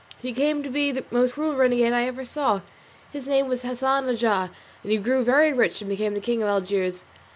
He came to be the most cruel renegade I ever saw: his name was Hassan Aga, and he grew very rich and became king of Algiers.